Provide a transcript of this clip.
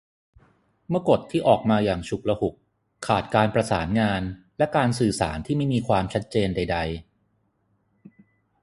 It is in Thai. เมื่อกฎที่ออกมาอย่างฉุกละหุก ขาดการประสานงาน และการสื่อสารที่ไม่มีความชัดเจนใดใด